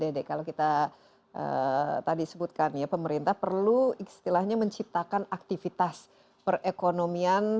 dndu dddht basribung ddd kalau kita tadi sebutkan ya pemerintah perlu istilahnya menciptakan aktivitas perekonomian